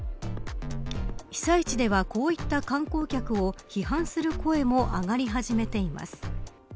被災地では、こういった観光客を批判する声も上がり始めています。